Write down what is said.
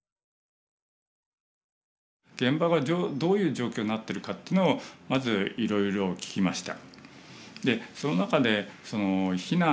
現場がどういう状況になってるかってのをまずいろいろ聞きました。